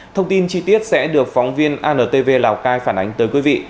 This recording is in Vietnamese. thông tin chi tiết sẽ được phóng viên antv lào cai phản ánh tới quý vị